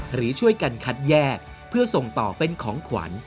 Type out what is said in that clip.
หรือช่วยกันคัดแยกเพื่อส่งต่อเป็นของขวัญ